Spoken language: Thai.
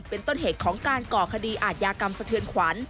เป็นต้นเหตุของการก่อคดีอาทยากรรมสะเทือนขวัญ